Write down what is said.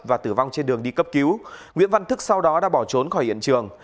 và tử vong trên đường đi cấp cứu nguyễn văn thức sau đó đã bỏ trốn khỏi hiện trường